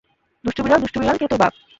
দুষ্টু বিড়াল, দুষ্টু বিড়াল, কে তোর বাপ?